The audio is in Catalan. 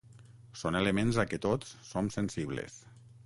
Són elements a què tots som sensibles.